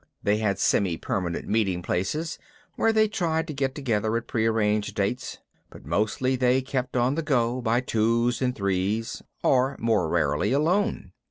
They had semi permanent meeting places where they tried to get together at pre arranged dates, but mostly they kept on the go, by twos and threes or more rarely alone.